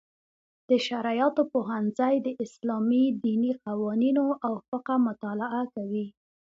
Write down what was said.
د شرعیاتو پوهنځی د اسلامي دیني قوانینو او فقه مطالعه کوي.